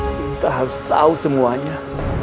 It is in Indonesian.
sinta harus tahu semuanya